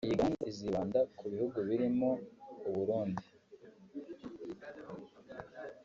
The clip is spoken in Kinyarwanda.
Iyi gahunda izibanda ku bihugu birimo u Burundi